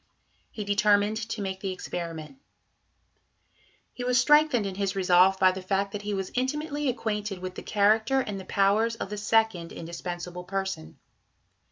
He determined to make the experiment. Life of Lord Houghton, vol. i. p. 521. He was strengthened in his resolve by the fact that he was intimately acquainted with the character and the powers of the second indispensable person.